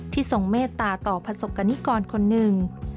ที่ทรงเมตตาต่อผสกกณิกรคนหนึ่ง